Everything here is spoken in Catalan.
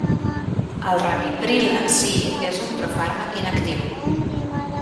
El ramipril en si és un profàrmac inactiu.